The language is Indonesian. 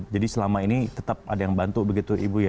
jadi selama ini tetap ada yang bantu begitu ibu ya